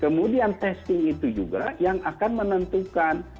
kemudian testing itu juga yang akan menentukan